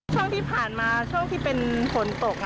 ช่วงที่ผ่านมาช่วงที่เป็นฝนตก